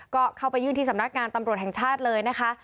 ก็เข้าไปยื่นที่สำนักงานตำรวจแห่งชาติเลยนะคะ